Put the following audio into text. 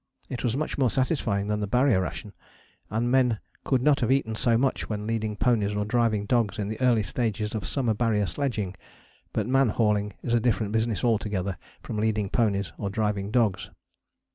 It was much more satisfying than the Barrier ration, and men could not have eaten so much when leading ponies or driving dogs in the early stages of summer Barrier sledging: but man hauling is a different business altogether from leading ponies or driving dogs.